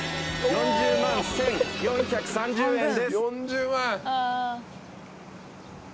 ４０万１，４３０円です。